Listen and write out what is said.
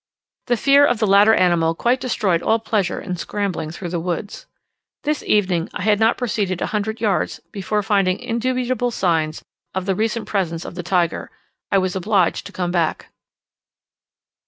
The fear of the latter animal quite destroyed all pleasure in scrambling through the woods. This evening I had not proceeded a hundred yards, before finding indubitable signs of the recent presence of the tiger, I was obliged to come back.